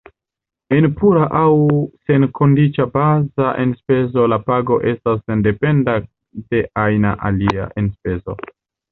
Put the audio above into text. En pura aŭ senkondiĉa baza enspezo la pago estas sendependa de ajna alia enspezo.